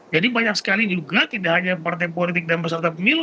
jadi banyak sekali juga tidak hanya partai politik dan peserta pemilu